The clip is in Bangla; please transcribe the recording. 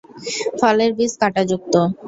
ফলের বীজ কাঁটাযুক্ত।